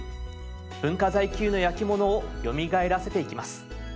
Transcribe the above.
文化財級の焼き物をよみがえらせていきます。